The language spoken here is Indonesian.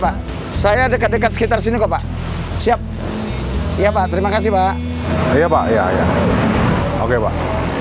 pak saya dekat dekat sekitar sini kok pak siap iya pak terima kasih pak iya pak ya oke pak